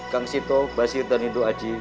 kang sito basir dan nindo haji